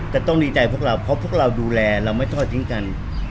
แต่ต้องดีใจพวกเราเพราะพวกเราดูแลเราไม่ทอดทิ้งกัน